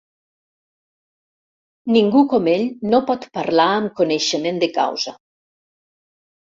Ningú com ell no pot parlar amb coneixement de causa.